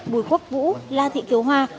bùi quốc vũ la thị kiếu hoa